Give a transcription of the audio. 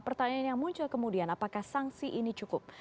pertanyaan yang muncul kemudian apakah sanksi ini cukup